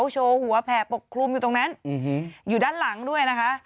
โชว์หัวแผ่ปกคลุมอยู่ตรงนั้นอยู่ด้านหลังด้วยนะคะ